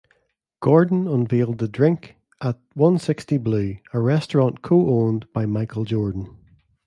Gordon unveiled the drink at One Sixty Blue, a restaurant co-owned by Michael Jordan.